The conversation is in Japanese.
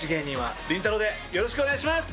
よろしくお願いします！